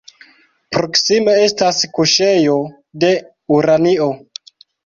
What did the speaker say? Proksime estas kuŝejo de uranio.